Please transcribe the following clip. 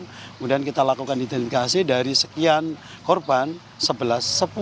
kemudian kita lakukan identifikasi dari sekian korban